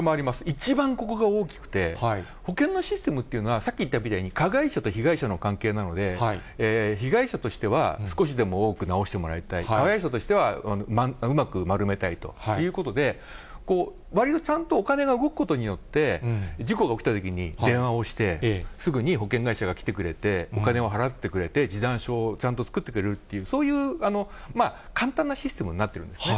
一番ここが大きくて、保険のシステムっていうのは、さっき言ったみたいに、加害者と被害者の関係なので、被害者としては、少しでも多く直してもらいたい、加害者としてはうまく丸めたいということで、わりとちゃんとお金が動くことによって、事故が起きたときに電話をして、すぐに保険会社が来てくれて、お金を払ってくれて、示談書をちゃんと作ってくれるという、そういう簡単なシステムになってるんですね。